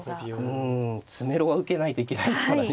うん詰めろは受けないといけないですからね。